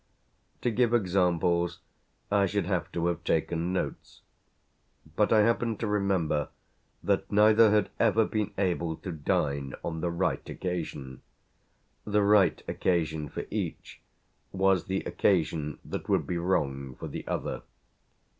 To give examples I should have to have taken notes; but I happen to remember that neither had ever been able to dine on the right occasion. The right occasion for each was the occasion that would be wrong for the other.